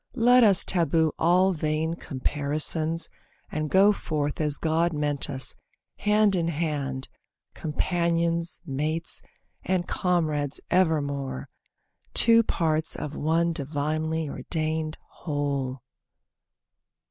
Let us taboo all vain comparisons, And go forth as God meant us, hand in hand, Companions, mates, and comrades evermore; Two parts of one divinely ordained whole.